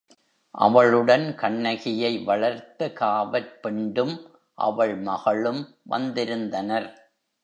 அவளுடன் கண்ணகி யை வளர்த்த காவற் பெண்டும், அவள் மகளும் வந்திருந் தனர்.